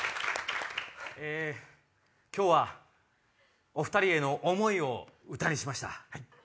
今日はお２人への思いを歌にしました。